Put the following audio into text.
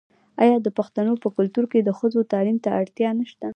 آیا د پښتنو په کلتور کې د ښځو تعلیم ته اړتیا نشته؟